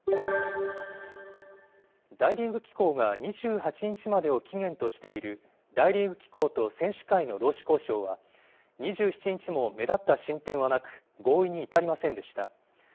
大リーグ機構が２８日までを期限としている大リーグ機構と選手会の労使交渉は、２７日も目立った進展はなく、合意に至りませんでした。